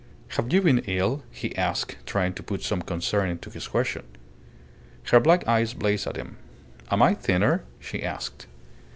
"Have you been ill?" he asked, trying to put some concern into this question. Her black eyes blazed at him. "Am I thinner?" she asked.